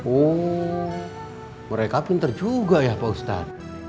oh mereka pinter juga ya pak ustadz